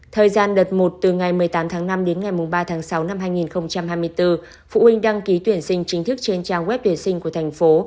thời gian đợt một từ ngày một mươi tám tháng năm đến ngày ba tháng sáu năm hai nghìn hai mươi bốn phụ huynh đăng ký tuyển sinh chính thức trên trang web tuyển sinh của thành phố